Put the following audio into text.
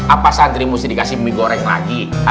apa santri mesti dikasih mie goreng lagi